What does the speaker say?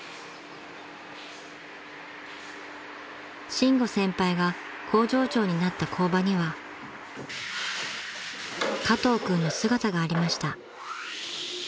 ［伸吾先輩が工場長になった工場には加藤君の姿がありました］